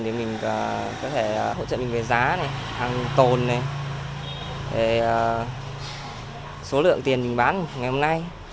để mình có thể hỗ trợ mình về giá này hàng tồn này số lượng tiền mình bán ngày hôm nay